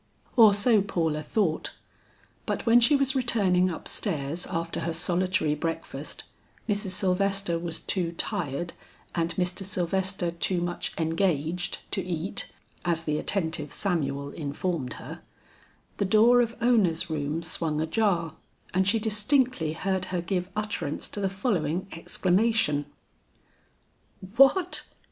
Or so Paula thought; but when she was returning up stairs after her solitary breakfast Mrs. Sylvester was too tired and Mr. Sylvester too much engaged to eat, as the attentive Samuel informed her the door of Ona's room swung ajar, and she distinctly heard her give utterance to the following exclamation: "What!